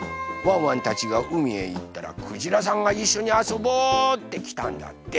ワンワンたちがうみへいったらくじらさんが「いっしょにあそぼう」ってきたんだって。